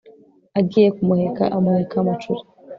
agiye ku muhekaamuheka macuri